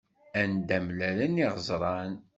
Anda mlalen yiɣeẓṛan.